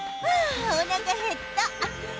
あおなかへった。